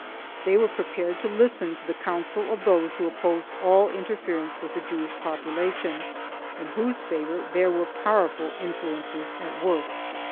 They were prepared to listen to the counsel of those who opposed all interference with the Jewish population, in whose favor there were powerful influences at work.